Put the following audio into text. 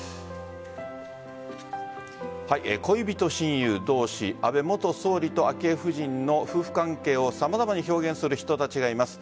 恋人、親友、同志安倍元総理と昭恵夫人の夫婦関係を様々に表現する人たちがいます。